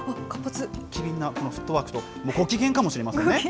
機敏なフットワークと、ご機嫌かもしれないですね。